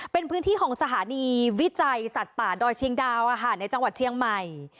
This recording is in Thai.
เป็นพื้นที่ของสถานีวิจัยสัตว์ป่าดอยเชียงดาวในจังหวัดเชียงใหม่